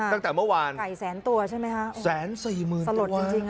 ตั้งแต่เมื่อวานไข่แสนตัวใช่ไหมคะแสนสี่หมื่นสลดจริงจริง